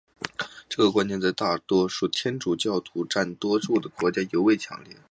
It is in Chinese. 这个观念在大多数天主教徒占多数的国家尤为强烈。